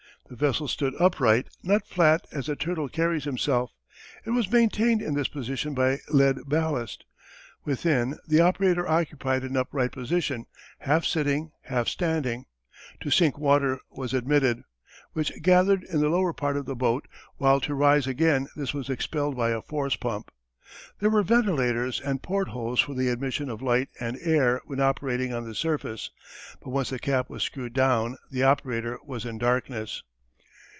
The vessel stood upright, not flat as a turtle carries himself. It was maintained in this position by lead ballast. Within the operator occupied an upright position, half sitting, half standing. To sink water was admitted, which gathered in the lower part of the boat, while to rise again this was expelled by a force pump. There were ventilators and portholes for the admission of light and air when operating on the surface, but once the cap was screwed down the operator was in darkness.